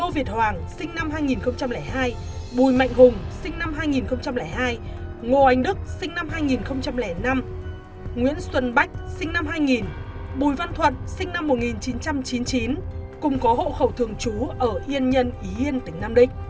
bùi văn thuật sinh năm một nghìn chín trăm chín mươi chín cùng có hộ khẩu thường chú ở yên nhân ý yên tỉnh nam định